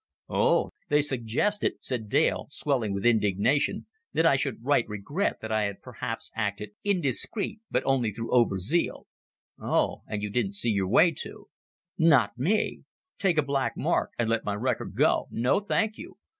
"Oh, they suggested " "They suggested," said Dale, swelling with indignation, "that I should write regret that I had perhaps acted indiscreet but only through over zeal." "Oh! And you didn't see your way to " "Not me. Take a black mark, and let my record go. No, thank you.